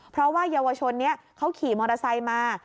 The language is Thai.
เพราะว่าเยาวชนนี้เขาขี่มอเตอร์ไซค์มา